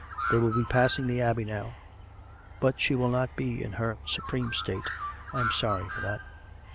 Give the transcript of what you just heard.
They will be passing the Abbey now. But she will not be in her supreme state; I am sorry for that."